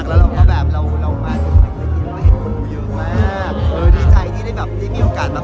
ขอต้อนรับให้กางเล็กขาดของเรา